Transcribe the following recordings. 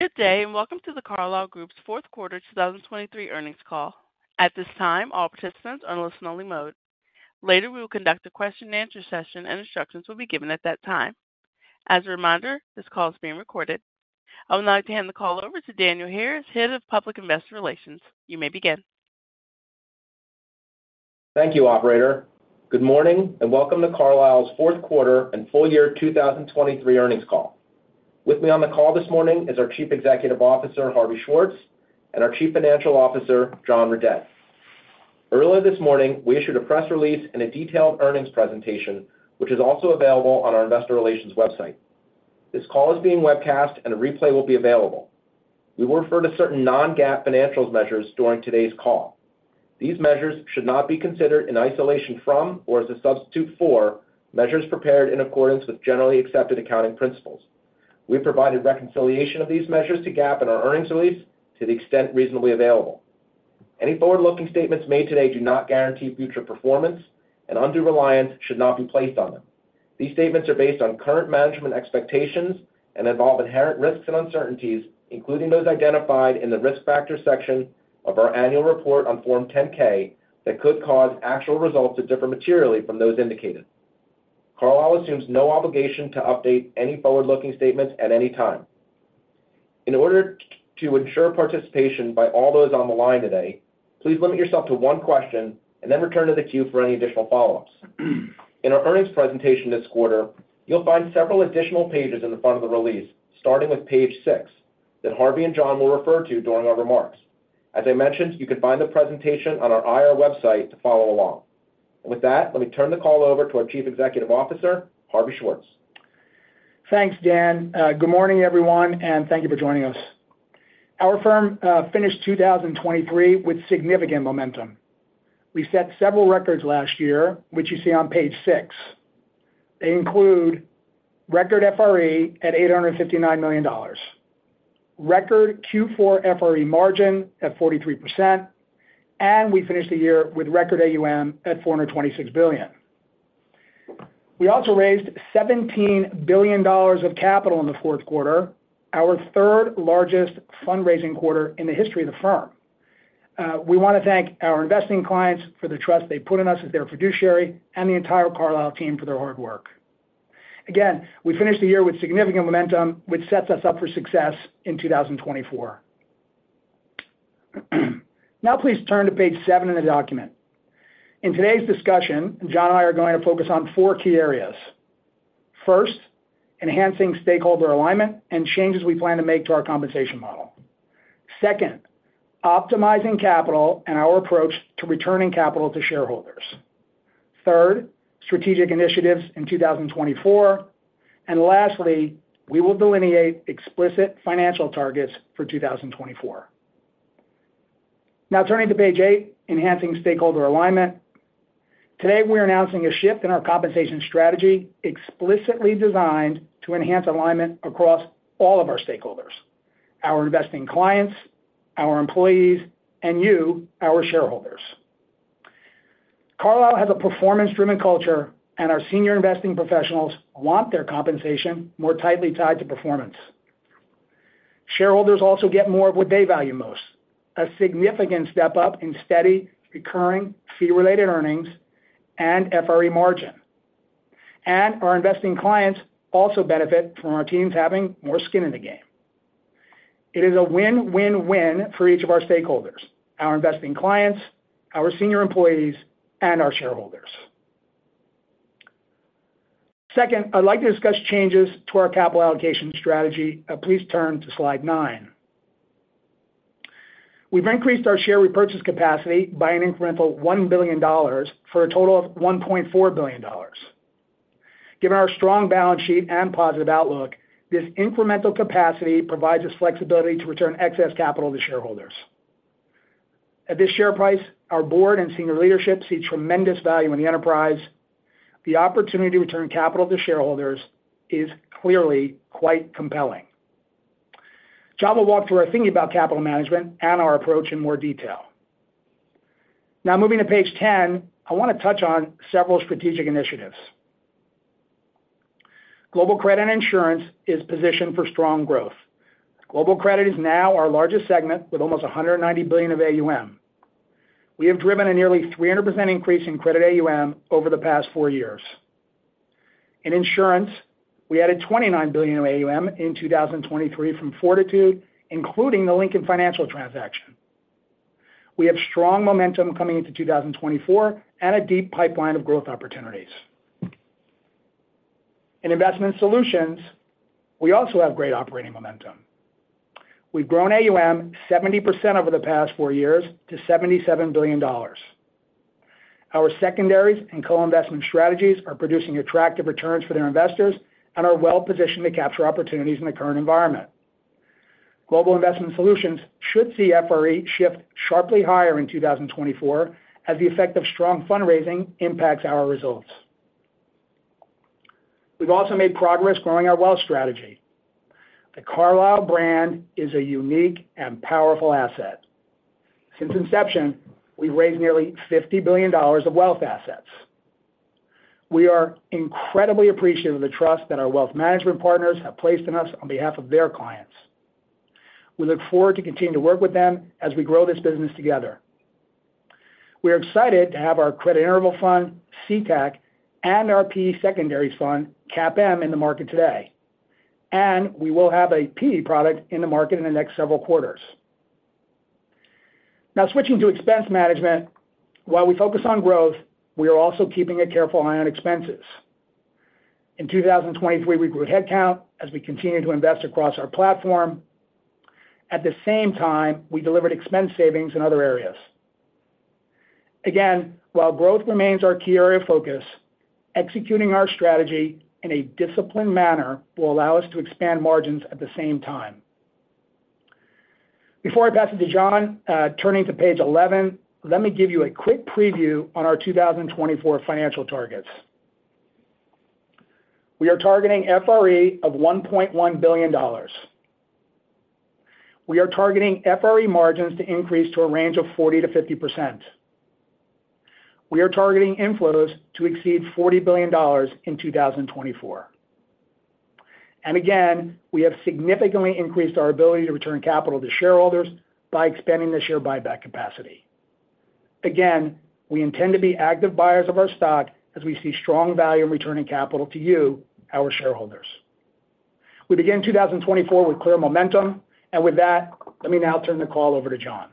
Good day, and welcome to The Carlyle Group's Fourth Quarter 2023 Earnings Call. At this time, all participants are in listen-only mode. Later, we will conduct a question-and-answer session, and instructions will be given at that time. As a reminder, this call is being recorded. I would now like to hand the call over to Daniel Harris, Head of Public Investor Relations. You may begin. Thank you, operator. Good morning, and welcome to Carlyle's fourth quarter and full year 2023 earnings call. With me on the call this morning is our Chief Executive Officer, Harvey Schwartz, and our Chief Financial Officer, John Redett. Earlier this morning, we issued a press release and a detailed earnings presentation, which is also available on our investor relations website. This call is being webcast, and a replay will be available. We will refer to certain non-GAAP financial measures during today's call. These measures should not be considered in isolation from or as a substitute for measures prepared in accordance with generally accepted accounting principles. We've provided reconciliation of these measures to GAAP in our earnings release to the extent reasonably available. Any forward-looking statements made today do not guarantee future performance, and undue reliance should not be placed on them. These statements are based on current management expectations and involve inherent risks and uncertainties, including those identified in the Risk Factors section of our annual report on Form 10-K, that could cause actual results to differ materially from those indicated. Carlyle assumes no obligation to update any forward-looking statements at any time. In order to ensure participation by all those on the line today, please limit yourself to one question and then return to the queue for any additional follow-ups. In our earnings presentation this quarter, you'll find several additional pages in the front of the release, starting with page six, that Harvey and John will refer to during our remarks. As I mentioned, you can find the presentation on our IR website to follow along. With that, let me turn the call over to our Chief Executive Officer, Harvey Schwartz. Thanks, Dan. Good morning, everyone, and thank you for joining us. Our firm finished 2023 with significant momentum. We set several records last year, which you see on page six. They include record FRE at $859 million, record Q4 FRE margin at 43%, and we finished the year with record AUM at $426 billion. We also raised $17 billion of capital in the fourth quarter, our third-largest fundraising quarter in the history of the firm. We want to thank our investing clients for the trust they put in us as their fiduciary and the entire Carlyle team for their hard work. Again, we finished the year with significant momentum, which sets us up for success in 2024. Now, please turn to page seven in the document. In today's discussion, John and I are going to focus on four key areas. First, enhancing stakeholder alignment and changes we plan to make to our compensation model. Second, optimizing capital and our approach to returning capital to shareholders. Third, strategic initiatives in 2024. And lastly, we will delineate explicit financial targets for 2024. Now, turning to page eight, enhancing stakeholder alignment. Today, we're announcing a shift in our compensation strategy, explicitly designed to enhance alignment across all of our stakeholders, our investing clients, our employees, and you, our shareholders. Carlyle has a performance-driven culture, and our senior investing professionals want their compensation more tightly tied to performance. Shareholders also get more of what they value most, a significant step up in steady, recurring, fee-related earnings and FRE margin. And our investing clients also benefit from our teams having more skin in the game. It is a win-win-win for each of our stakeholders, our investing clients, our senior employees, and our shareholders. Second, I'd like to discuss changes to our capital allocation strategy. Please turn to slide nine. We've increased our share repurchase capacity by an incremental $1 billion, for a total of $1.4 billion. Given our strong balance sheet and positive outlook, this incremental capacity provides us flexibility to return excess capital to shareholders. At this share price, our board and senior leadership see tremendous value in the enterprise. The opportunity to return capital to shareholders is clearly quite compelling. John will walk through our thinking about capital management and our approach in more detail. Now, moving to page 10, I want to touch on several strategic initiatives. Global Credit and Insurance is positioned for strong growth. Global Credit is now our largest segment, with almost $190 billion of AUM. We have driven a nearly 300% increase in credit AUM over the past four years. In insurance, we added $29 billion of AUM in 2023 from Fortitude, including the Lincoln Financial transaction. We have strong momentum coming into 2024 and a deep pipeline of growth opportunities. In Investment Solutions, we also have great operating momentum. We've grown AUM 70% over the past four years to $77 billion. Our secondaries and co-investment strategies are producing attractive returns for their investors and are well-positioned to capture opportunities in the current environment. Global Investment Solutions should see FRE shift sharply higher in 2024 as the effect of strong fundraising impacts our results. We've also made progress growing our wealth strategy. The Carlyle brand is a unique and powerful asset. Since inception, we've raised nearly $50 billion of wealth assets. We are incredibly appreciative of the trust that our wealth management partners have placed in us on behalf of their clients. We look forward to continuing to work with them as we grow this business together. We are excited to have our credit interval fund, CTAC, and our PE secondary fund, CAPM, in the market today, and we will have a PE product in the market in the next several quarters. Now, switching to expense management. While we focus on growth, we are also keeping a careful eye on expenses. In 2023, we grew headcount as we continued to invest across our platform. At the same time, we delivered expense savings in other areas. Again, while growth remains our key area of focus, executing our strategy in a disciplined manner will allow us to expand margins at the same time. Before I pass it to John, turning to page 11, let me give you a quick preview on our 2024 financial targets. We are targeting FRE of $1.1 billion. We are targeting FRE margins to increase to a range of 40%-50%. We are targeting inflows to exceed $40 billion in 2024. And again, we have significantly increased our ability to return capital to shareholders by expanding the share buyback capacity. Again, we intend to be active buyers of our stock as we see strong value in returning capital to you, our shareholders. We begin 2024 with clear momentum, and with that, let me now turn the call over to John.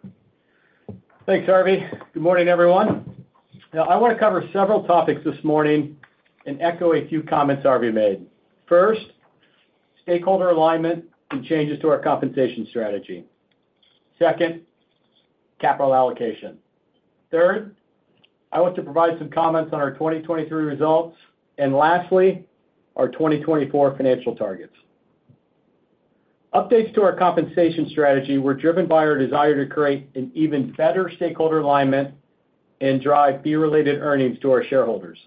Thanks, Harvey. Good morning, everyone. Now, I want to cover several topics this morning and echo a few comments Harvey made. First, stakeholder alignment and changes to our compensation strategy. Second, capital allocation. Third, I want to provide some comments on our 2023 results. Lastly, our 2024 financial targets. Updates to our compensation strategy were driven by our desire to create an even better stakeholder alignment and drive fee-related earnings to our shareholders.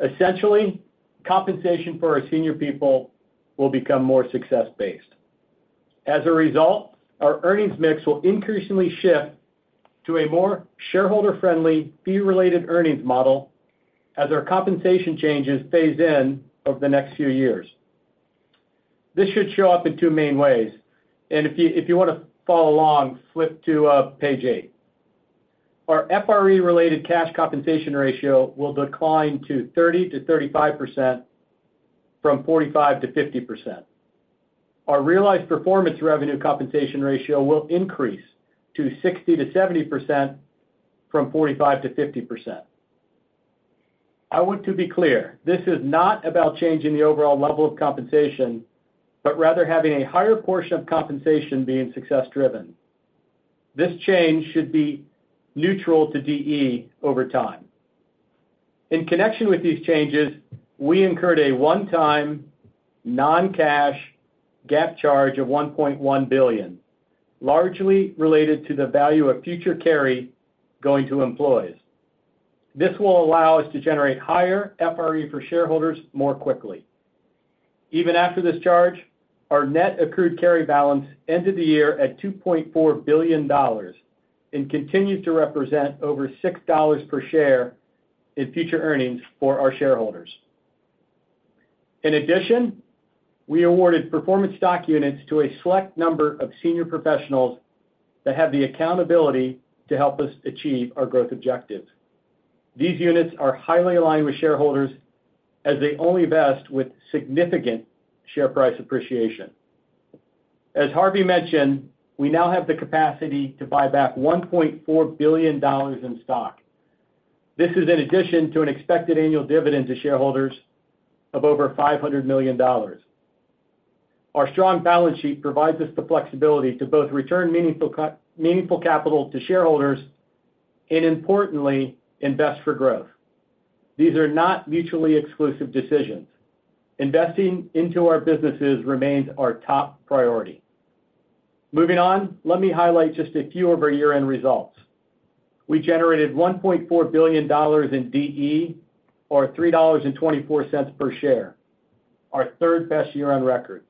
Essentially, compensation for our senior people will become more success-based. As a result, our earnings mix will increasingly shift to a more shareholder-friendly, fee-related earnings model as our compensation changes phase in over the next few years. This should show up in two main ways, and if you, if you want to follow along, flip to page eight. Our FRE-related cash compensation ratio will decline to 30%-35% from 45%-50%. Our realized performance revenue compensation ratio will increase to 60%-70% from 45%-50%. I want to be clear, this is not about changing the overall level of compensation, but rather having a higher portion of compensation being success-driven. This change should be neutral to DE over time. In connection with these changes, we incurred a one-time non-cash GAAP charge of $1.1 billion, largely related to the value of future carry going to employees. This will allow us to generate higher FRE for shareholders more quickly. Even after this charge, our net accrued carry balance ended the year at $2.4 billion and continued to represent over $6 per share in future earnings for our shareholders. In addition, we awarded Performance Stock Units to a select number of senior professionals that have the accountability to help us achieve our growth objectives. These units are highly aligned with shareholders as they only vest with significant share price appreciation. As Harvey mentioned, we now have the capacity to buy back $1.4 billion in stock. This is in addition to an expected annual dividend to shareholders of over $500 million. Our strong balance sheet provides us the flexibility to both return meaningful capital to shareholders and importantly, invest for growth. These are not mutually exclusive decisions. Investing into our businesses remains our top priority. Moving on, let me highlight just a few of our year-end results. We generated $1.4 billion in DE, or $3.24 per share, our third-best year on record.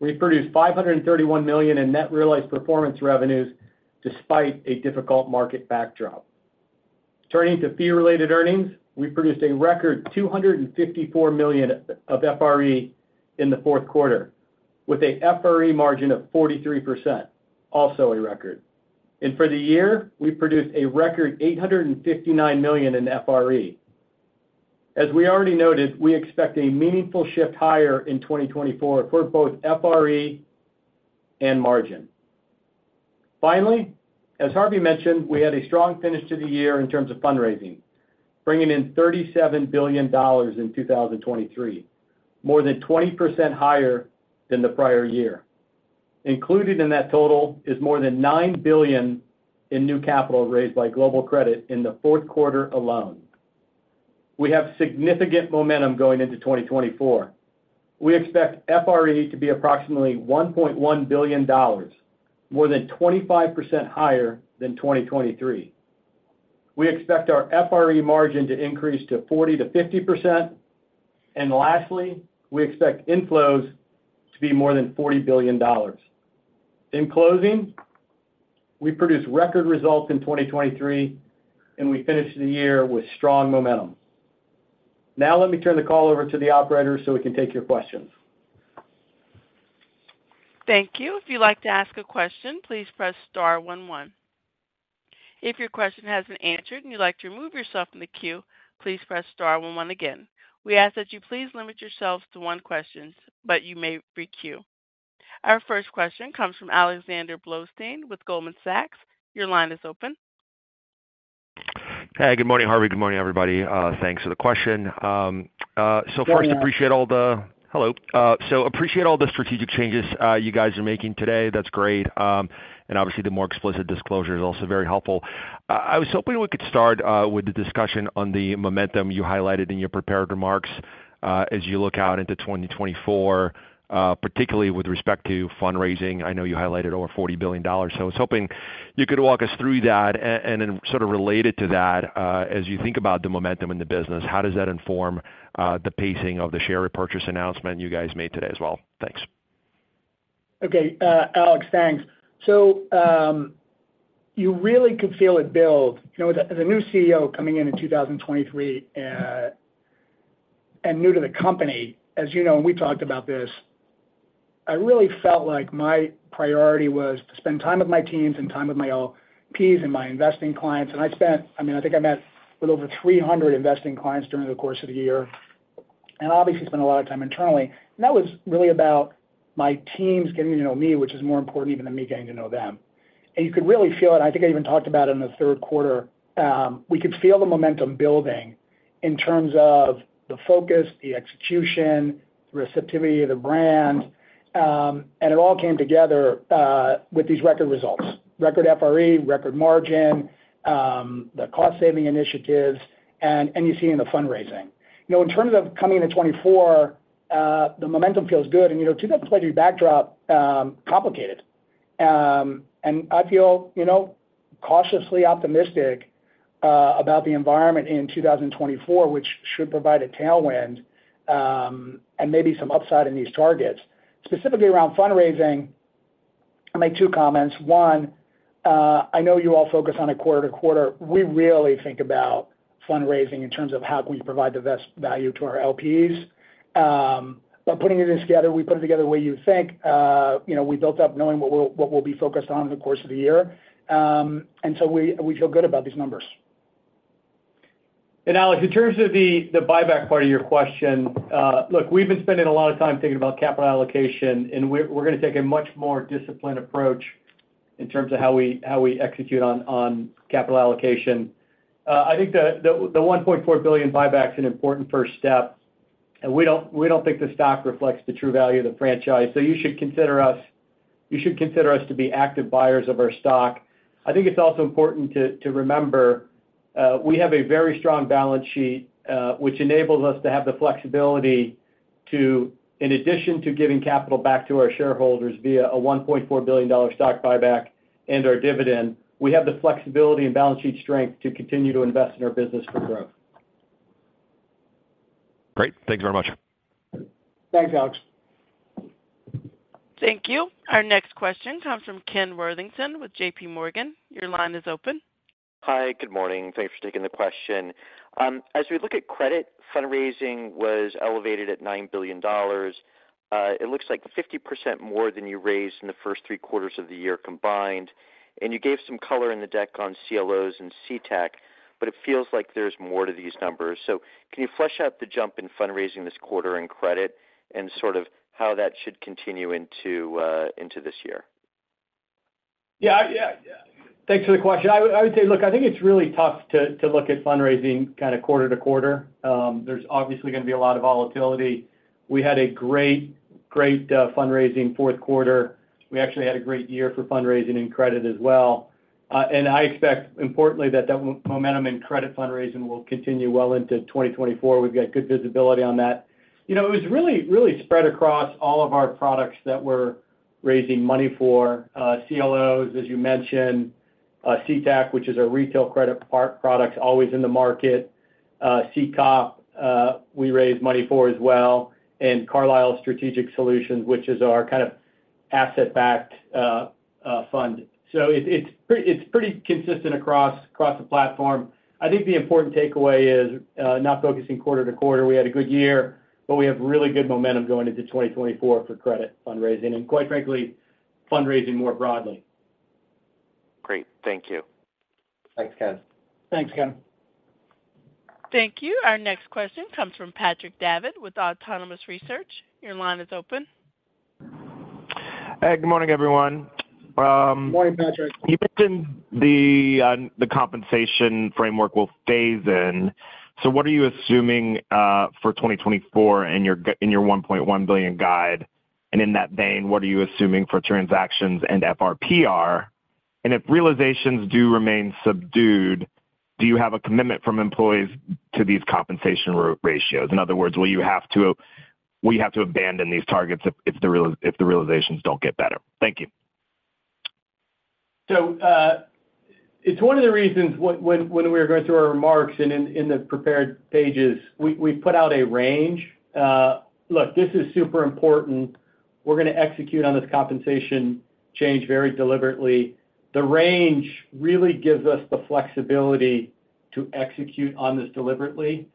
We produced $531 million in net realized performance revenues despite a difficult market backdrop. Turning to fee-related earnings, we produced a record $254 million of FRE in the fourth quarter, with a FRE margin of 43%, also a record. For the year, we produced a record $859 million in FRE. As we already noted, we expect a meaningful shift higher in 2024 for both FRE and margin. Finally, as Harvey mentioned, we had a strong finish to the year in terms of fundraising, bringing in $37 billion in 2023, more than 20% higher than the prior year. Included in that total is more than $9 billion in new capital raised by Global Credit in the fourth quarter alone. We have significant momentum going into 2024. We expect FRE to be approximately $1.1 billion, more than 25% higher than 2023. We expect our FRE margin to increase to 40%-50%. And lastly, we expect inflows to be more than $40 billion. In closing...... we produced record results in 2023, and we finished the year with strong momentum. Now let me turn the call over to the operator so we can take your questions. Thank you. If you'd like to ask a question, please press star one one. If your question has been answered and you'd like to remove yourself from the queue, please press star one one again. We ask that you please limit yourselves to one question, but you may re-queue. Our first question comes from Alexander Blostein with Goldman Sachs. Your line is open. Hey, good morning, Harvey. Good morning, everybody. Thanks for the question. So first, appreciate all the strategic changes you guys are making today. That's great. And obviously, the more explicit disclosure is also very helpful. I was hoping we could start with the discussion on the momentum you highlighted in your prepared remarks as you look out into 2024, particularly with respect to fundraising. I know you highlighted over $40 billion. So I was hoping you could walk us through that, and then sort of related to that, as you think about the momentum in the business, how does that inform the pacing of the share repurchase announcement you guys made today as well? Thanks. Okay, Alex, thanks. So, you really could feel it build. You know, as a new CEO coming in in 2023, and new to the company, as you know, and we talked about this, I really felt like my priority was to spend time with my teams and time with my LPs and my investing clients. And I spent. I mean, I think I met with over 300 investing clients during the course of the year, and obviously, spent a lot of time internally. And that was really about my teams getting to know me, which is more important even than me getting to know them. And you could really feel it, I think I even talked about it in the third quarter. We could feel the momentum building in terms of the focus, the execution, the receptivity of the brand, and it all came together with these record results, record FRE, record margin, the cost-saving initiatives, and you see in the fundraising. You know, in terms of coming into 2024, the momentum feels good, and, you know, 2023 backdrop, complicated. And I feel, you know, cautiously optimistic about the environment in 2024, which should provide a tailwind, and maybe some upside in these targets. Specifically around fundraising, I'll make two comments. One, I know you all focus on it quarter to quarter. We really think about fundraising in terms of how can we provide the best value to our LPs. But putting this together, we put it together the way you think, you know, we built up knowing what we'll be focused on in the course of the year. And so we feel good about these numbers. And Alex, in terms of the buyback part of your question, look, we've been spending a lot of time thinking about capital allocation, and we're gonna take a much more disciplined approach in terms of how we execute on capital allocation. I think the $1.4 billion buyback is an important first step, and we don't think the stock reflects the true value of the franchise. So you should consider us to be active buyers of our stock. I think it's also important to remember, we have a very strong balance sheet, which enables us to have the flexibility to, in addition to giving capital back to our shareholders via a $1.4 billion stock buyback and our dividend, we have the flexibility and balance sheet strength to continue to invest in our business for growth. Great. Thank you very much. Thanks, Alex. Thank you. Our next question comes from Ken Worthington with J.P. Morgan. Your line is open. Hi, good morning. Thank you for taking the question. As we look at credit, fundraising was elevated at $9 billion. It looks like 50% more than you raised in the first three quarters of the year combined, and you gave some color in the deck on CLOs and CTAC, but it feels like there's more to these numbers. So can you flesh out the jump in fundraising this quarter in credit and sort of how that should continue into this year? Yeah, yeah, thanks for the question. I would, I would say, look, I think it's really tough to, to look at fundraising kind of quarter to quarter. There's obviously gonna be a lot of volatility. We had a great, great, fundraising fourth quarter. We actually had a great year for fundraising and credit as well. And I expect, importantly, that momentum in credit fundraising will continue well into 2024. We've got good visibility on that. You know, it was really, really spread across all of our products that we're raising money for, CLOs, as you mentioned, CTAC, which is our retail credit product, always in the market. CCOP, we raised money for as well, and Carlyle Strategic Solutions, which is our kind of asset-backed fund. So it's, it's pretty, it's pretty consistent across, across the platform. I think the important takeaway is, not focusing quarter to quarter. We had a good year, but we have really good momentum going into 2024 for credit fundraising, and quite frankly, fundraising more broadly. Great. Thank you. Thanks, Ken. Thank you. Our next question comes from Patrick Davitt with Autonomous Research. Your line is open. Hey, good morning, everyone. Good morning, Patrick. You mentioned the, the compensation framework will phase in. So what are you assuming, for 2024 in your $1.1 billion guide? And in that vein, what are you assuming for transactions and FRPR? And if realizations do remain subdued, do you have a commitment from employees to these compensation ratios? In other words, will you have to, will you have to abandon these targets if, if the realizations don't get better? Thank you. So, it's one of the reasons when we were going through our remarks and in the prepared pages, we put out a range. Look, this is super important. We're gonna execute on this compensation change very deliberately. The range really gives us the flexibility to execute on this deliberately.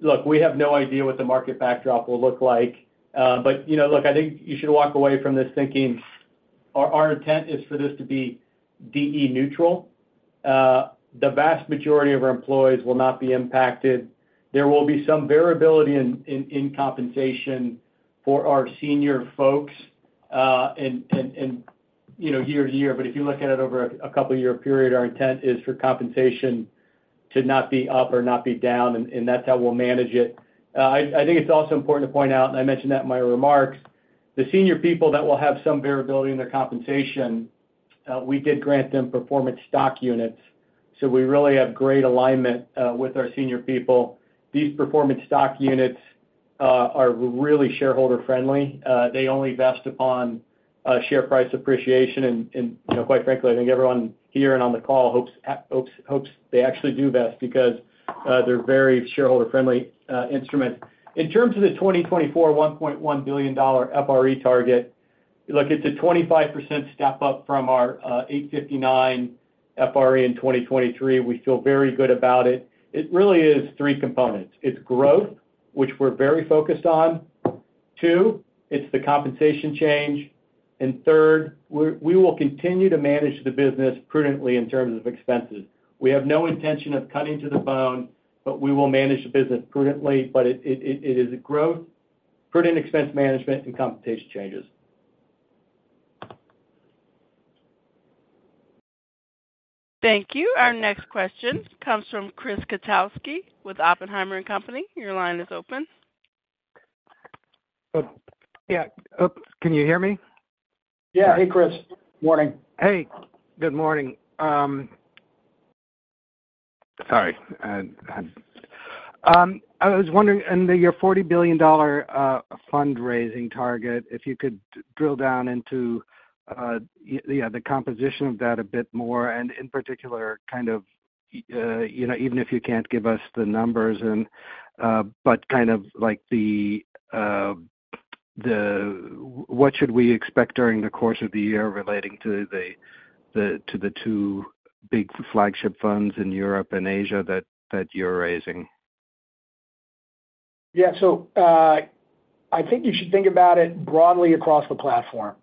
Look, we have no idea what the market backdrop will look like, but, you know, look, I think you should walk away from this thinking our intent is for this to be DE neutral. The vast majority of our employees will not be impacted. There will be some variability in compensation for our senior folks, and, you know, year to year. But if you look at it over a couple of year period, our intent is for compensation to not be up or not be down, and that's how we'll manage it. I think it's also important to point out, and I mentioned that in my remarks, the senior people that will have some variability in their compensation, we did grant them Performance Stock Units, so we really have great alignment with our senior people. These Performance Stock Units are really shareholder-friendly. They only vest upon share price appreciation, and you know, quite frankly, I think everyone here and on the call hopes they actually do vest because they're very shareholder-friendly instruments. In terms of the 2024 $1.1 billion FRE target, look, it's a 25% step up from our $859 million FRE in 2023. We feel very good about it. It really is three components: It's growth, which we're very focused on. Two, it's the compensation change, and third, we will continue to manage the business prudently in terms of expenses. We have no intention of cutting to the bone, but we will manage the business prudently, but it is a growth, prudent expense management and compensation changes. Thank you. Our next question comes from Chris Kotowski with Oppenheimer and Company. Your line is open. Yeah. Oops, can you hear me? Yeah. Hey, Chris. Morning. Hey, good morning. Sorry, I was wondering, in your $40 billion fundraising target, if you could drill down into the composition of that a bit more, and in particular, kind of, you know, even if you can't give us the numbers, but kind of like the what should we expect during the course of the year relating to the two big flagship funds in Europe and Asia that you're raising? Yeah. So, I think you should think about it broadly across the platform.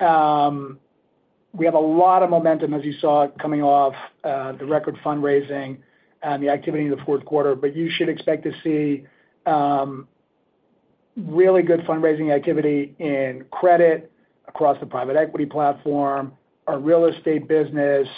We have a lot of momentum, as you saw, coming off the record fundraising and the activity in the fourth quarter, but you should expect to see really good fundraising activity in credit across the private equity platform, our real estate business,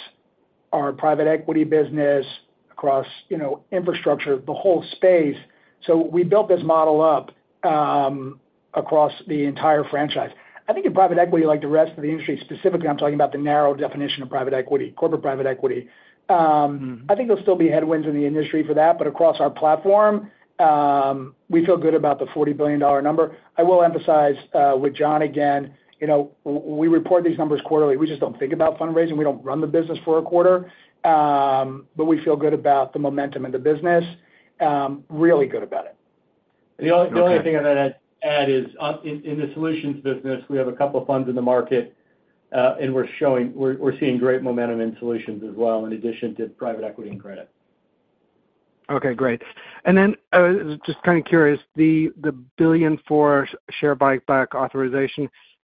our private equity business, across, you know, infrastructure, the whole space. So we built this model up across the entire franchise. I think in private equity, like the rest of the industry, specifically, I'm talking about the narrow definition of private equity, corporate private equity. I think there'll still be headwinds in the industry for that, but across our platform, we feel good about the $40 billion number. I will emphasize with John again, you know, we report these numbers quarterly. We just don't think about fundraising. We don't run the business for a quarter. But we feel good about the momentum in the business, really good about it. Okay. The only thing I'm gonna add is, in the solutions business, we have a couple of funds in the market, and we're seeing great momentum in solutions as well, in addition to private equity and credit. Okay, great. And then, I was just kind of curious, the $1.4 billion share buyback authorization,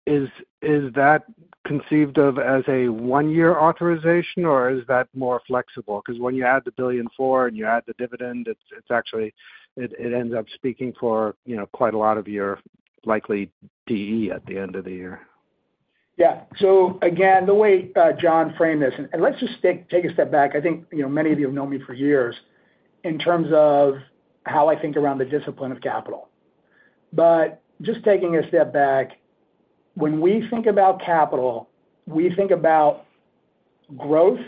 is that conceived of as a one-year authorization, or is that more flexible? Because when you add the $1.4 billion and you add the dividend, it's actually, it ends up speaking for, you know, quite a lot of your likely DE at the end of the year. Yeah. So again, the way John framed this... And, and let's just take, take a step back. I think, you know, many of you have known me for years in terms of how I think around the discipline of capital. But just taking a step back, when we think about capital, we think about growth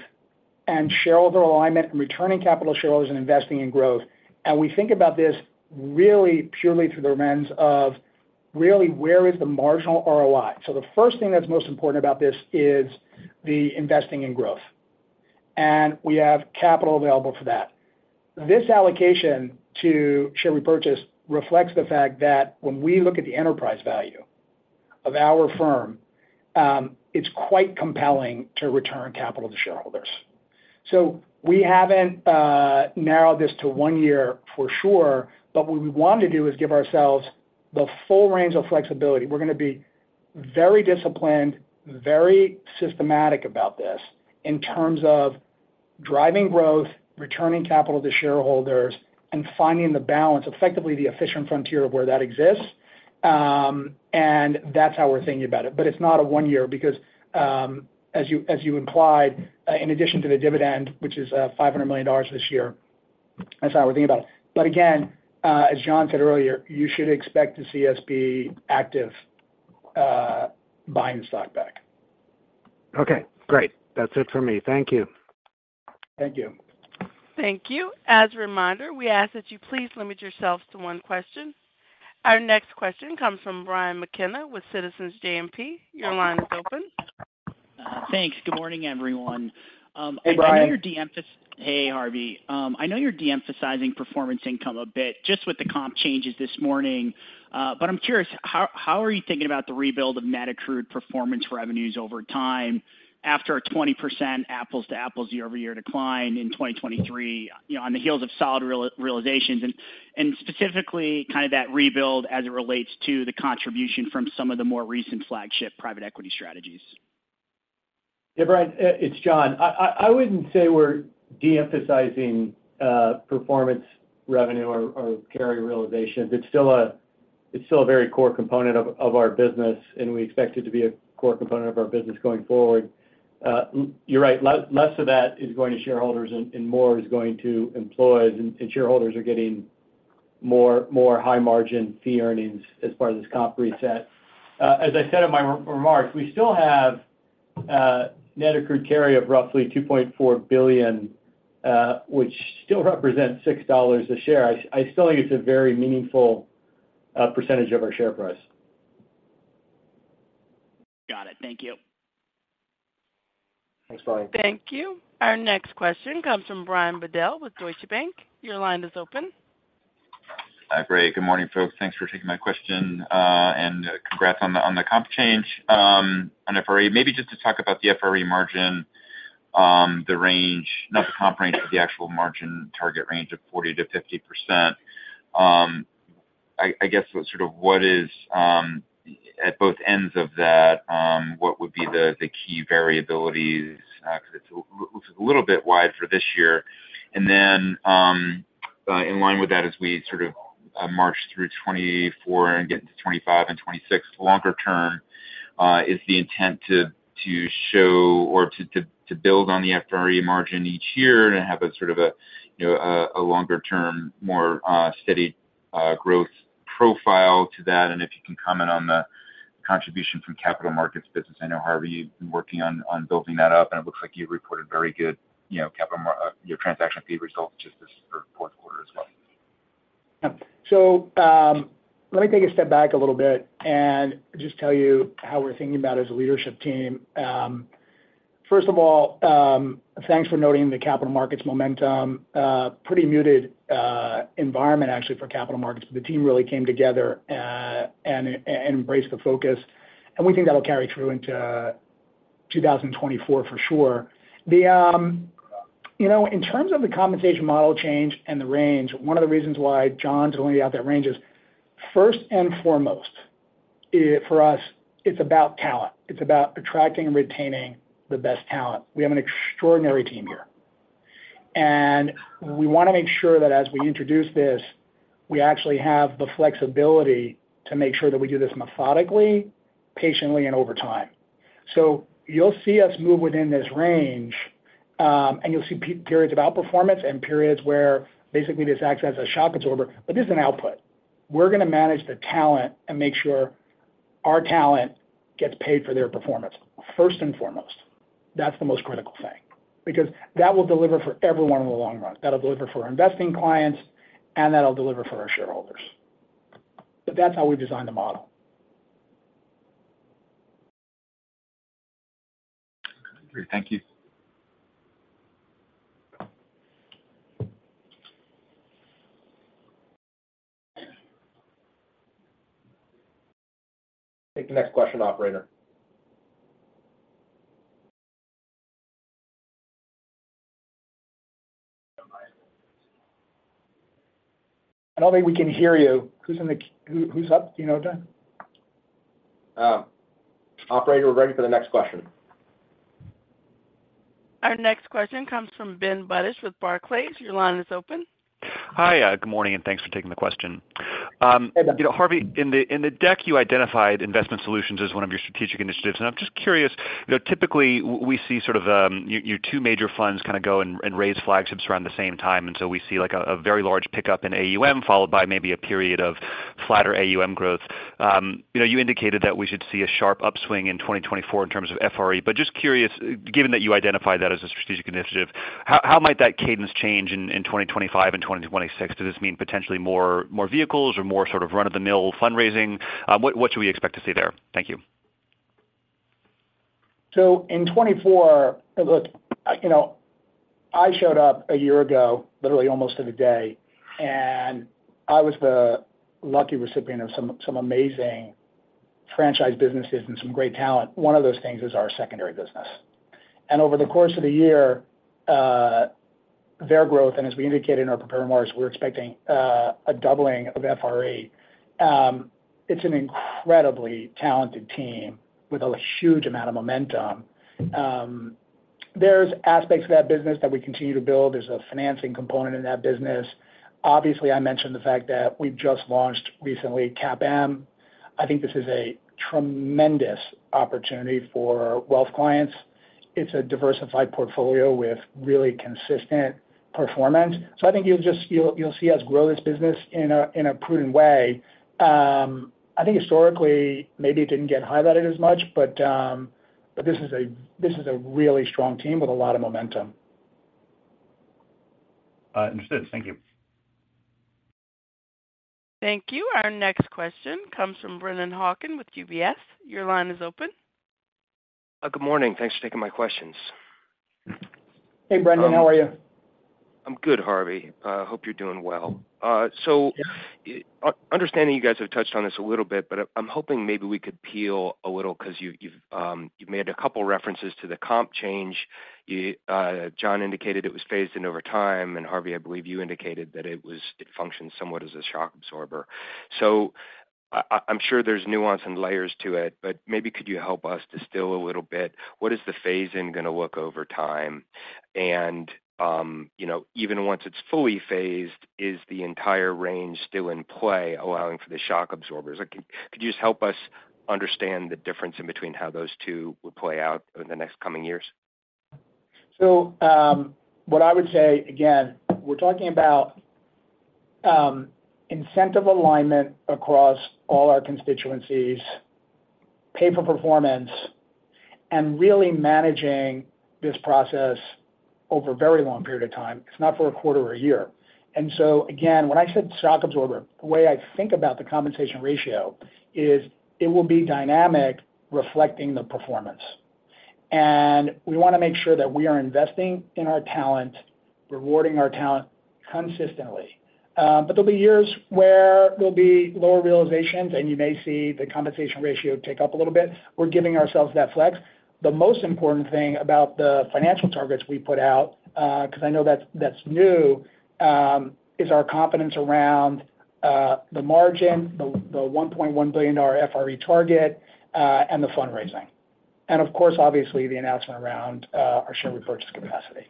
and shareholder alignment and returning capital to shareholders and investing in growth. And we think about this really purely through the lens of really where is the marginal ROI? So the first thing that's most important about this is the investing in growth, and we have capital available for that. This allocation to share repurchase reflects the fact that when we look at the enterprise value of our firm, it's quite compelling to return capital to shareholders. So we haven't narrowed this to one year for sure, but what we want to do is give ourselves the full range of flexibility. We're gonna be very disciplined, very systematic about this in terms of driving growth, returning capital to shareholders, and finding the balance, effectively, the efficient frontier of where that exists. And that's how we're thinking about it. But it's not a one year because, as you, as you implied, in addition to the dividend, which is $500 million this year, that's how we're thinking about it. But again, as John said earlier, you should expect to see us be active, buying the stock back. Okay, great. That's it for me. Thank you.... Thank you. Thank you. As a reminder, we ask that you please limit yourselves to one question. Our next question comes from Brian McKenna with Citizens JMP. Your line is open. Thanks. Good morning, everyone. Hey, Brian. Hey, Harvey. I know you're de-emphasizing performance income a bit, just with the comp changes this morning, but I'm curious, how are you thinking about the rebuild of net accrued performance revenues over time after a 20% apples to apples year-over-year decline in 2023, you know, on the heels of solid realizations? And specifically, kind of that rebuild as it relates to the contribution from some of the more recent flagship private equity strategies. Yeah, Brian, it's John. I wouldn't say we're de-emphasizing performance revenue or carry realizations. It's still a very core component of our business, and we expect it to be a core component of our business going forward. You're right, less of that is going to shareholders and more is going to employees, and shareholders are getting more high-margin fee earnings as part of this comp reset. As I said in my remarks, we still have net accrued carry of roughly $2.4 billion, which still represents $6 a share. I still think it's a very meaningful percentage of our share price. Got it. Thank you. Thanks, Brian. Thank you. Our next question comes from Brian Bedell with Deutsche Bank. Your line is open. Hi, great. Good morning, folks. Thanks for taking my question. And congrats on the comp change on FRE. Maybe just to talk about the FRE margin, the range, not the comp range, but the actual margin target range of 40%-50%. I guess, sort of, what is at both ends of that, what would be the key variabilities? 'Cause it looks a little bit wide for this year. And then, in line with that, as we sort of, march through 2024 and get into 2025 and 2026, longer term, is the intent to build on the FRE margin each year and have a sort of a, you know, a longer term, more steady growth profile to that? If you can comment on the contribution from capital markets business. I know, Harvey, you've been working on building that up, and it looks like you've reported very good, you know, capital markets, your transaction fee results just this fourth quarter as well. Yeah. So, let me take a step back a little bit and just tell you how we're thinking about it as a leadership team. First of all, thanks for noting the capital markets momentum. Pretty muted environment, actually, for capital markets, but the team really came together and embraced the focus, and we think that'll carry through into 2024 for sure. The... You know, in terms of the compensation model change and the range, one of the reasons why John's willing to have that range is, first and foremost, for us, it's about talent. It's about attracting and retaining the best talent. We have an extraordinary team here. We wanna make sure that as we introduce this, we actually have the flexibility to make sure that we do this methodically, patiently, and over time. So you'll see us move within this range, and you'll see periods of outperformance and periods where basically this acts as a shock absorber, but this is an output. We're gonna manage the talent and make sure our talent gets paid for their performance. First and foremost, that's the most critical thing, because that will deliver for everyone in the long run. That'll deliver for our investing clients, and that'll deliver for our shareholders. But that's how we've designed the model. Great. Thank you. Take the next question, operator. I don't think we can hear you. Who's up? Do you know, Dan? Operator, we're ready for the next question. Our next question comes from Ben Budish with Barclays. Your line is open. Hi, good morning, and thanks for taking the question. Hey, Ben. You know, Harvey, in the deck, you identified investment solutions as one of your strategic initiatives, and I'm just curious, you know, typically we see sort of your two major funds kind of go and raise flagships around the same time, and so we see, like, a very large pickup in AUM, followed by maybe a period of flatter AUM growth. You know, you indicated that we should see a sharp upswing in 2024 in terms of FRE. But just curious, given that you identified that as a strategic initiative, how might that cadence change in 2025 and 2026? Does this mean potentially more vehicles or more sort of run-of-the-mill fundraising? What should we expect to see there? Thank you. So in 2024, look, you know, I showed up a year ago, literally almost to the day, and I was the lucky recipient of some amazing franchise businesses and some great talent. One of those things is our secondary business. And over the course of the year, their growth, and as we indicated in our prepared remarks, we're expecting a doubling of FRE. It's an incredibly talented team with a huge amount of momentum. There's aspects of that business that we continue to build. There's a financing component in that business. Obviously, I mentioned the fact that we've just launched recently CAPM. I think this is a tremendous opportunity for wealth clients. It's a diversified portfolio with really consistent performance. So I think you'll just see us grow this business in a prudent way. I think historically, maybe it didn't get highlighted as much, but this is a really strong team with a lot of momentum. Understood. Thank you. Thank you. Our next question comes from Brennan Hawken with UBS. Your line is open. Good morning. Thanks for taking my questions. Hey, Brendan. How are you? I'm good, Harvey. I hope you're doing well. So- Yeah... understanding you guys have touched on this a little bit, but I, I'm hoping maybe we could peel a little, 'cause you've, you've, you've made a couple references to the comp change. You, John indicated it was phased in over time, and Harvey, I believe you indicated that it was it functioned somewhat as a shock absorber. So I, I, I'm sure there's nuance and layers to it, but maybe could you help us distill a little bit, what is the phase-in gonna look over time? And, you know, even once it's fully phased, is the entire range still in play, allowing for the shock absorbers? Like, can, could you just help us understand the difference in between how those two will play out over the next coming years? So, what I would say, again, we're talking about incentive alignment across all our constituencies, pay for performance, and really managing this process over a very long period of time. It's not for a quarter or a year. And so, again, when I said shock absorber, the way I think about the compensation ratio is it will be dynamic, reflecting the performance. And we want to make sure that we are investing in our talent, rewarding our talent consistently. But there'll be years where there'll be lower realizations, and you may see the compensation ratio tick up a little bit. We're giving ourselves that flex. The most important thing about the financial targets we put out, 'cause I know that's, that's new, is our confidence around the margin, the, the $1.1 billion FRE target, and the fundraising. Of course, obviously, the announcement around our share repurchase capacity.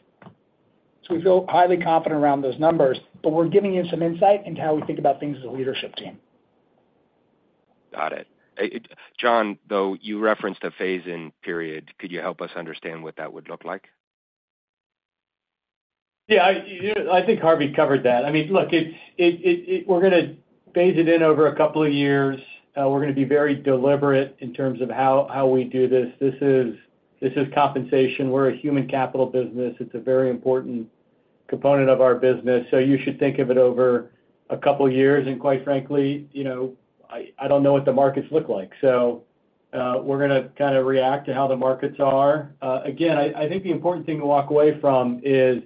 So we feel highly confident around those numbers, but we're giving you some insight into how we think about things as a leadership team. Got it. John, though, you referenced a phase-in period. Could you help us understand what that would look like? Yeah, you know, I think Harvey covered that. I mean, look, it's - we're gonna phase it in over a couple of years. We're gonna be very deliberate in terms of how we do this. This is compensation. We're a human capital business. It's a very important component of our business, so you should think of it over a couple of years. Quite frankly, you know, I don't know what the markets look like. So, we're gonna kind of react to how the markets are. Again, I think the important thing to walk away from is,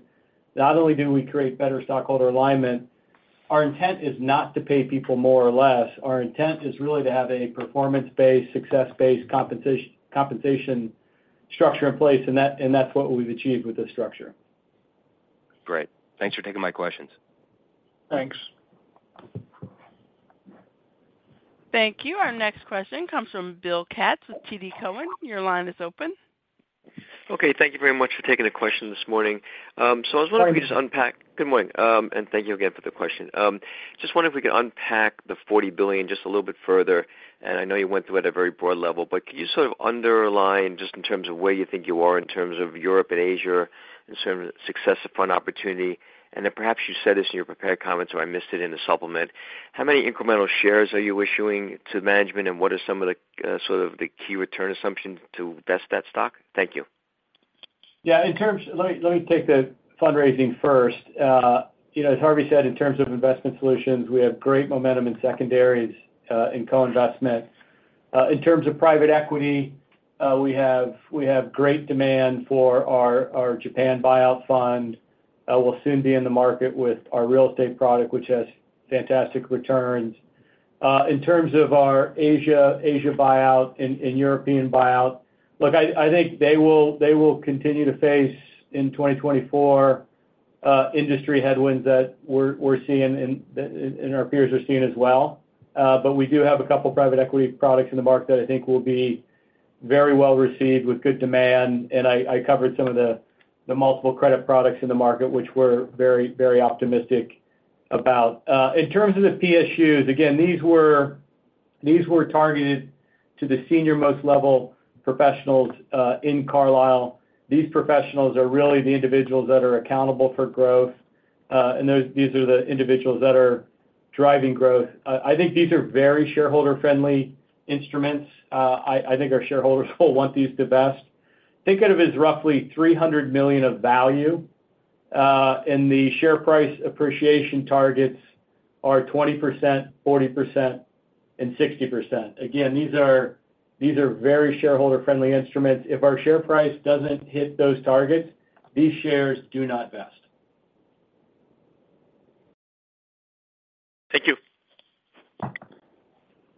not only do we create better stockholder alignment, our intent is not to pay people more or less. Our intent is really to have a performance-based, success-based compensation structure in place, and that's what we've achieved with this structure. Great. Thanks for taking my questions. Thanks. Thank you. Our next question comes from Bill Katz with TD Cowen. Your line is open. Okay, thank you very much for taking the question this morning. So I was wondering if you could just unpack- Morning. Good morning, and thank you again for the question. Just wonder if we could unpack the $40 billion just a little bit further, and I know you went through at a very broad level, but could you sort of underline just in terms of where you think you are in terms of Europe and Asia, in terms of success of fund opportunity? And then perhaps you said this in your prepared comments, or I missed it in the supplement. How many incremental shares are you issuing to management, and what are some of the, sort of the key return assumptions to vest that stock? Thank you. Yeah, in terms... Let me take the fundraising first. You know, as Harvey said, in terms of investment solutions, we have great momentum in secondaries and co-investment. In terms of private equity, we have great demand for our Japan buyout fund. We'll soon be in the market with our real estate product, which has fantastic returns. In terms of our Asia buyout and European buyout, look, I think they will continue to face, in 2024, industry headwinds that we're seeing and our peers are seeing as well. But we do have a couple private equity products in the market that I think will be very well received with good demand, and I covered some of the multiple credit products in the market, which we're very, very optimistic about. In terms of the PSUs, again, these were targeted to the senior-most level professionals in Carlyle. These professionals are really the individuals that are accountable for growth, and these are the individuals that are driving growth. I think these are very shareholder-friendly instruments. I think our shareholders will want these to vest. Think of it as roughly $300 million of value, and the share price appreciation targets are 20%, 40%, and 60%. Again, these are very shareholder-friendly instruments. If our share price doesn't hit those targets, these shares do not vest. Thank you.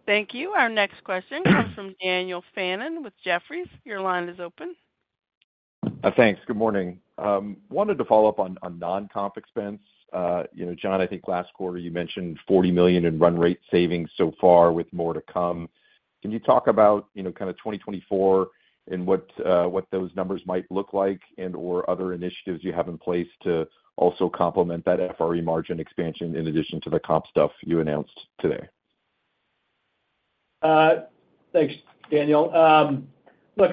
Thank you. Our next question comes from Daniel Fannon with Jefferies. Your line is open. Thanks. Good morning. Wanted to follow up on non-comp expense. You know, John, I think last quarter you mentioned $40 million in run rate savings so far, with more to come. Can you talk about, you know, kind of 2024 and what those numbers might look like and/or other initiatives you have in place to also complement that FRE margin expansion, in addition to the comp stuff you announced today? Thanks, Daniel. Look,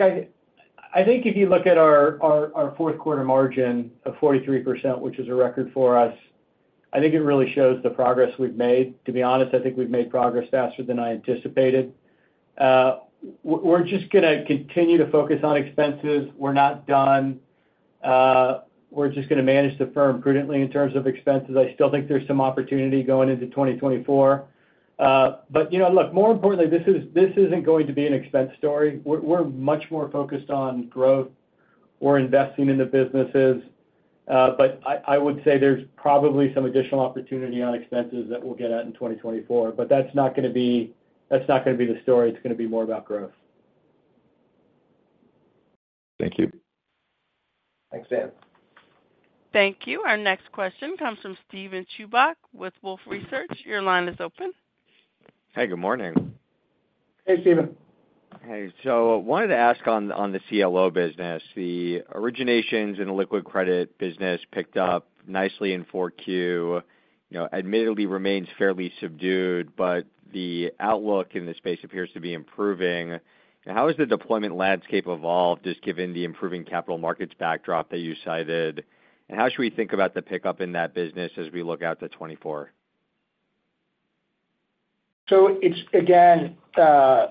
I think if you look at our fourth quarter margin of 43%, which is a record for us, I think it really shows the progress we've made. To be honest, I think we've made progress faster than I anticipated. We're just gonna continue to focus on expenses. We're not done. We're just gonna manage the firm prudently in terms of expenses. I still think there's some opportunity going into 2024. But, you know, look, more importantly, this isn't going to be an expense story. We're much more focused on growth. We're investing in the businesses. But I would say there's probably some additional opportunity on expenses that we'll get at in 2024, but that's not gonna be, that's not gonna be the story. It's gonna be more about growth. Thank you. Thanks, Dan. Thank you. Our next question comes from Steven Chubak with Wolfe Research. Your line is open. Hey, good morning. Hey, Steven. Hey, so wanted to ask on, on the CLO business, the originations and liquid credit business picked up nicely in Q4. You know, admittedly remains fairly subdued, but the outlook in this space appears to be improving. How has the deployment landscape evolved, just given the improving capital markets backdrop that you cited? And how should we think about the pickup in that business as we look out to 2024? So it's, again, an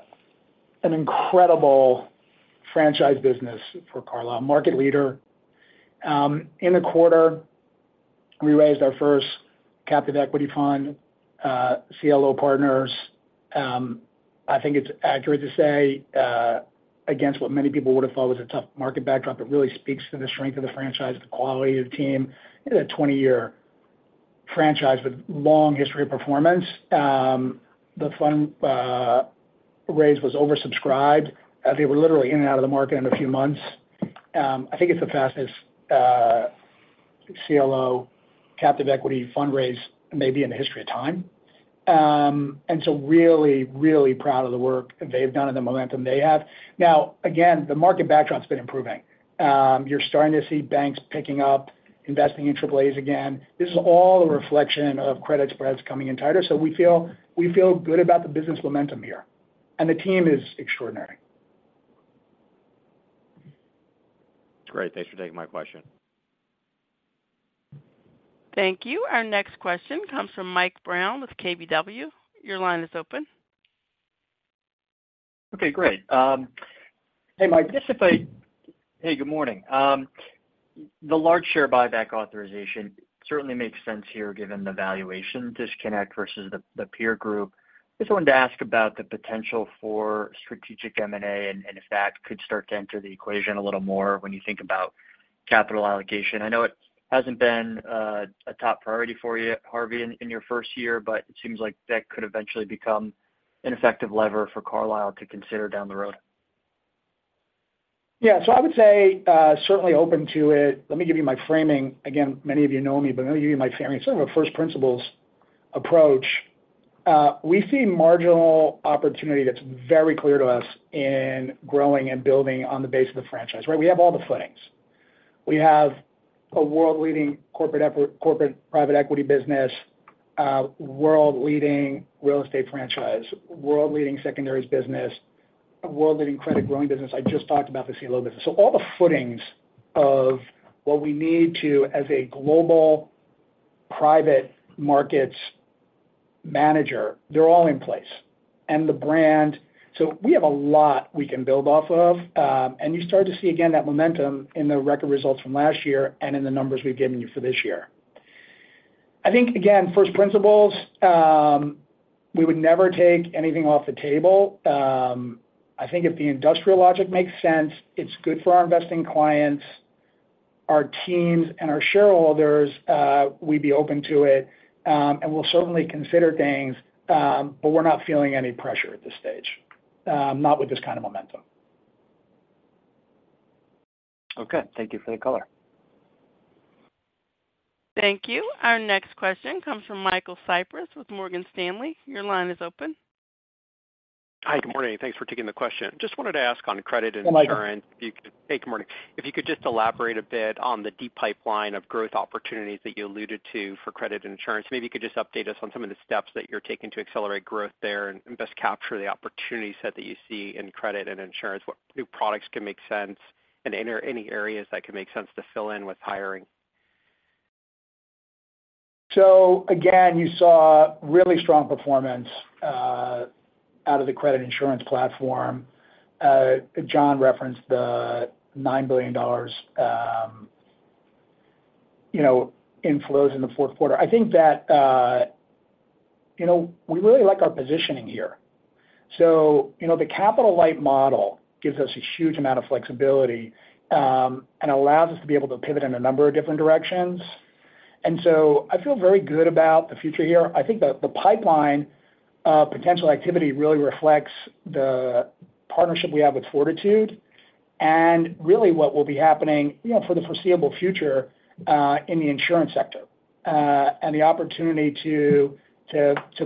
incredible franchise business for Carlyle, market leader. In the quarter, we raised our first captive equity fund, CLO Partners. I think it's accurate to say, against what many people would have thought was a tough market backdrop, it really speaks to the strength of the franchise, the quality of the team. It is a 20-year franchise with long history of performance. The fundraise was oversubscribed. They were literally in and out of the market in a few months. I think it's the fastest CLO captive equity fundraise, maybe in the history of time. And so really, really proud of the work they've done and the momentum they have. Now, again, the market backdrop has been improving. You're starting to see banks picking up, investing in AAAs again. This is all a reflection of credit spreads coming in tighter, so we feel, we feel good about the business momentum here, and the team is extraordinary. Great. Thanks for taking my question. Thank you. Our next question comes from Mike Brown with KBW. Your line is open. Okay, great, Hey, Mike. Hey, good morning. The large share buyback authorization certainly makes sense here, given the valuation disconnect versus the peer group. Just wanted to ask about the potential for strategic M&A, and if that could start to enter the equation a little more when you think about capital allocation. I know it hasn't been a top priority for you, Harvey, in your first year, but it seems like that could eventually become an effective lever for Carlyle to consider down the road. Yeah. So I would say, certainly open to it. Let me give you my framing. Again, many of you know me, but let me give you my framing. It's sort of a first principles approach. We see marginal opportunity that's very clear to us in growing and building on the base of the franchise, right? We have all the footings. We have a world-leading corporate private equity business, a world-leading real estate franchise, world-leading secondaries business, a world-leading credit growing business. I just talked about the CLO business. So all the footings of what we need to, as a global private markets manager, they're all in place, and the brand. So we have a lot we can build off of, and you start to see again, that momentum in the record results from last year and in the numbers we've given you for this year. I think, again, first principles, we would never take anything off the table. I think if the industrial logic makes sense, it's good for our investing clients, our teams, and our shareholders, we'd be open to it, and we'll certainly consider things, but we're not feeling any pressure at this stage, not with this kind of momentum. Okay. Thank you for the color. Thank you. Our next question comes from Michael Cyprys with Morgan Stanley. Your line is open. Hi, good morning. Thanks for taking the question. Just wanted to ask on credit and insurance- Hey, Michael. If you could... Hey, good morning. If you could just elaborate a bit on the deep pipeline of growth opportunities that you alluded to for credit and insurance. Maybe you could just update us on some of the steps that you're taking to accelerate growth there and, and best capture the opportunity set that you see in credit and insurance, what new products can make sense, and any, any areas that can make sense to fill in with hiring. So again, you saw really strong performance out of the credit insurance platform. John referenced the $9 billion, you know, inflows in the fourth quarter. I think that, you know, we really like our positioning here. So, you know, the capital light model gives us a huge amount of flexibility and allows us to be able to pivot in a number of different directions. And so I feel very good about the future here. I think the pipeline of potential activity really reflects the partnership we have with Fortitude and really what will be happening, you know, for the foreseeable future in the insurance sector. And the opportunity to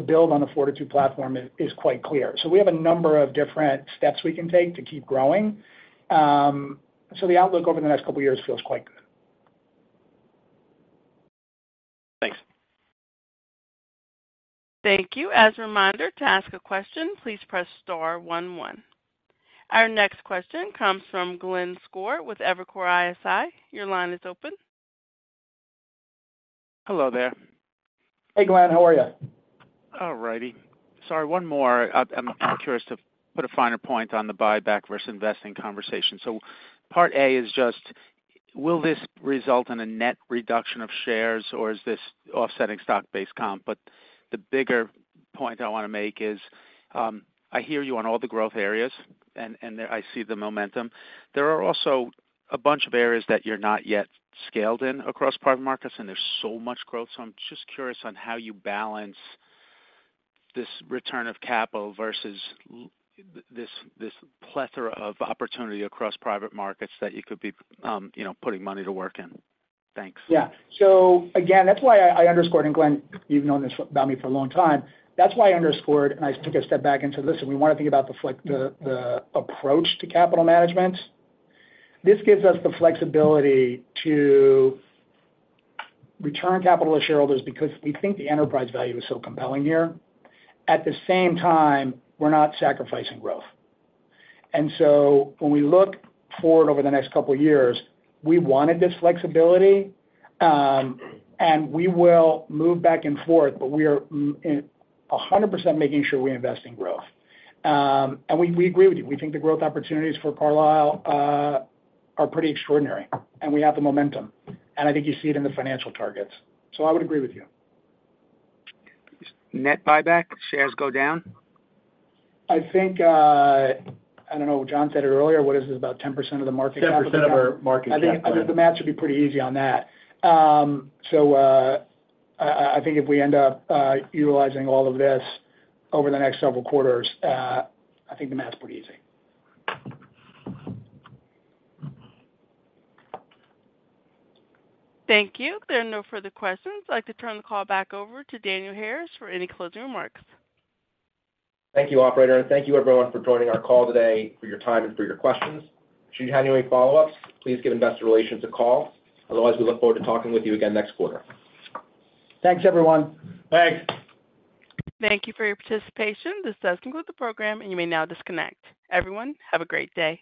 build on the Fortitude platform is quite clear. So we have a number of different steps we can take to keep growing. The outlook over the next couple of years feels quite good. Thanks. Thank you. As a reminder, to ask a question, please press star one, one. Our next question comes from Glenn Schorr with Evercore ISI. Your line is open. Hello there. Hey, Glenn, how are you? All righty. Sorry, one more. I'm curious to put a finer point on the buyback versus investing conversation. So part A is just: Will this result in a net reduction of shares, or is this offsetting stock-based comp? But the bigger point I wanna make is, I hear you on all the growth areas, and I see the momentum. There are also a bunch of areas that you're not yet scaled in across private markets, and there's so much growth. So I'm just curious on how you balance this return of capital versus this plethora of opportunity across private markets that you could be, you know, putting money to work in. Thanks. Yeah. So again, that's why I, I underscored, and Glenn, you've known this about me for a long time. That's why I underscored, and I took a step back and said: Listen, we wanna think about the flex, the approach to capital management. This gives us the flexibility to return capital to shareholders because we think the enterprise value is so compelling here. At the same time, we're not sacrificing growth. And so when we look forward over the next couple of years, we wanted this flexibility, and we will move back and forth, but we are 100% making sure we invest in growth. And we, we agree with you. We think the growth opportunities for Carlyle are pretty extraordinary, and we have the momentum, and I think you see it in the financial targets. So I would agree with you. Net buyback, shares go down? I think, I don't know, John said it earlier, what is this, about 10% of the market cap? 10% of our market cap. I think, I think the math should be pretty easy on that. I think if we end up utilizing all of this over the next several quarters, I think the math's pretty easy. Thank you. There are no further questions. I'd like to turn the call back over to Daniel Harris for any closing remarks. Thank you, operator, and thank you everyone for joining our call today, for your time and for your questions. Should you have any follow-ups, please give investor relations a call. Otherwise, we look forward to talking with you again next quarter. Thanks, everyone. Thanks. Thank you for your participation. This does conclude the program, and you may now disconnect. Everyone, have a great day.